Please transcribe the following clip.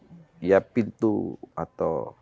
orang yang selalu mendukung joko widodo